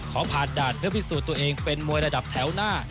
ขอผ่านด่านเพื่อพิสูจน์ตัวเองเป็นมวยระดับแถวหน้า